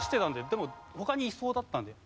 でも他にいそうだったので。